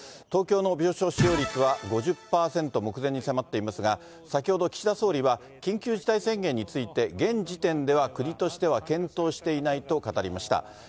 東京の病床使用率は５０％目前に迫っていますが、先ほど岸田総理は緊急事態宣言について、現時点では国としては、検討していないと語りました。